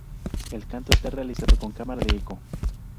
El canto está realizado con cámara de eco.